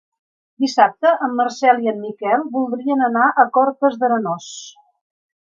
Dissabte en Marcel i en Miquel voldrien anar a Cortes d'Arenós.